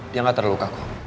dia gak terluka kok